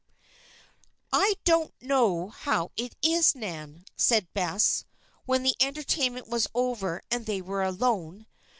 "I don't know how it is, Nan," said Bess, when the entertainment was over and they were alone.